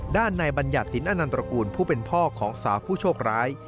ด้านในบัญญัติสินอนันตระกูลผู้เป็นพ่อของสาวผู้โชคร้าย